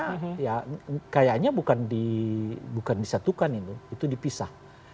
mungkin dari mekanisme sidangnya ya kayaknya bukan disatukan itu itu dipisah